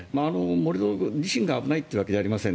盛り土自身が危ないというわけじゃありません。